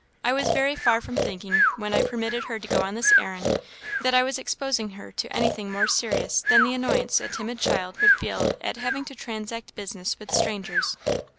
"I was very far from thinking, when I permitted her to go on this errand, that I was exposing her to anything more serious than the annoyance a timid child would feel at having to transact business with strangers."